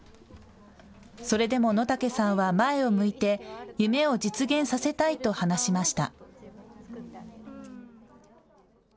それでも野武さんは前を向いて夢を実現させたいと話しました。